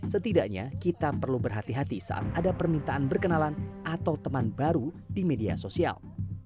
setidaknya kita perlu berhati hati saat ada permintaan berkenalan atau teman baru di media sosial